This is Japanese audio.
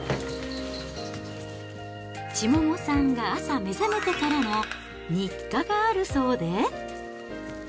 千桃さんが朝、目覚めてからの日課があるそうで。